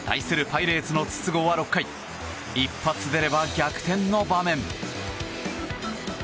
パイレーツの筒香は６回一発出れば逆転の場面。